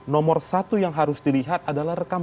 nomor satu yang harus dilihat adalah rekam